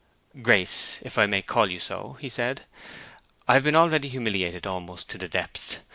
"Grace—if I may call you so," he said, "I have been already humiliated almost to the depths.